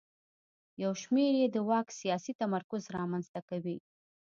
یو شمېر یې د واک سیاسي تمرکز رامنځته کوي.